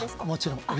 もちろん。